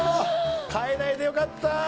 変えないでよかった！